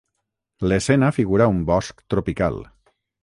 L'escena figura un bosc tropical.